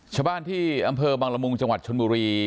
ชาวบ้านที่อำเภอบังละมุงจังหวัดชนบุรี